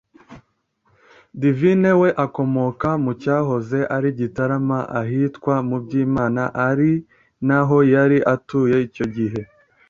Divine we akomoka mu cyahoze ari Gitarama ahitwa mu Byimana ari naho yari atuye icyo gihe